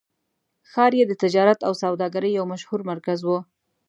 ښار یې د تجارت او سوداګرۍ یو مشهور مرکز و.